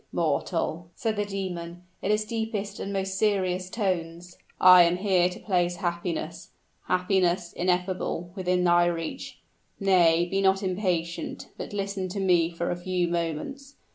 "Mortal," said the demon, in his deepest and most serious tones, "I am here to place happiness happiness ineffable within thy reach. Nay, be not impatient: but listen to me for a few moments.